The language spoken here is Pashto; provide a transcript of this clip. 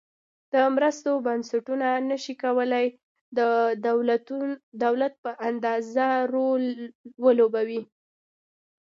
د مرستو بنسټونه نشي کولای د دولت په اندازه رول ولوبوي.